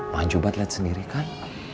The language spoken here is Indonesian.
manjubat liat sendiri kan